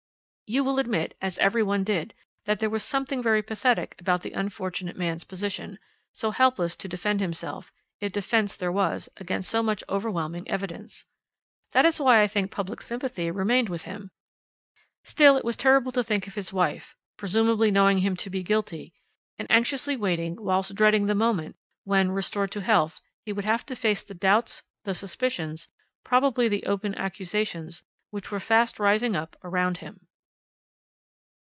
"You will admit, as every one did, that there was something very pathetic about the unfortunate man's position, so helpless to defend himself, if defence there was, against so much overwhelming evidence. That is why I think public sympathy remained with him. Still, it was terrible to think of his wife presumably knowing him to be guilty, and anxiously waiting whilst dreading the moment when, restored to health, he would have to face the doubts, the suspicions, probably the open accusations, which were fast rising up around him."